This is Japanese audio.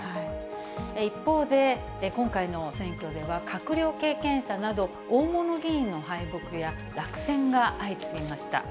一方で、今回の選挙では閣僚経験者など、大物議員の敗北や落選が相次ぎました。